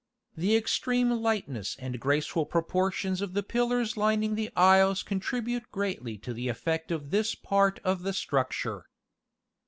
The extreme lightness and graceful proportions of the pillars lining the aisles contribute greatly to the effect of this part of the structure.